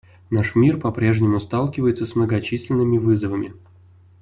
Наш мир по-прежнему сталкивается с многочисленными вызовами.